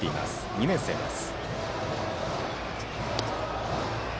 ２年生です。